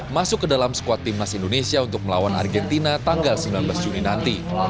masuk ke dalam skuad timnas indonesia untuk melawan argentina tanggal sembilan belas juni nanti